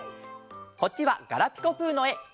こっちは「ガラピコぷ」のえ！